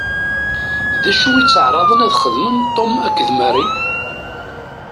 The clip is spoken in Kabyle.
D acu i tteɛṛaḍen ad xedmen Tom akked Mary?